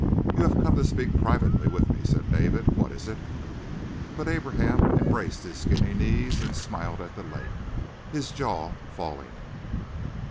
"You have come to speak privately with me," said David. "What is it?" But Abraham embraced his skinny knees and smiled at the lake, his jaw falling.